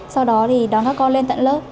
sau đó thì đón các con lên tận lớp